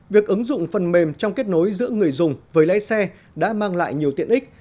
việc ứng dụng phần mềm trong kết nối giữa người dùng với lái xe đã mang lại nhiều tiện ích